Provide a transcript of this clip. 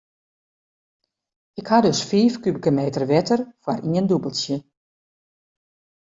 Ik ha dus fiif kubike meter wetter foar ien dûbeltsje.